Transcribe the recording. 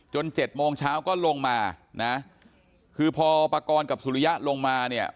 เจ็ดโมงเช้าก็ลงมานะคือพอปากรกับสุริยะลงมาเนี่ย